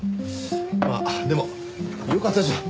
まあでもよかったじゃん。